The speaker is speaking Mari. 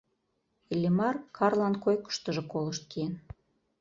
Иллимар Карлан койкыштыжо колышт киен.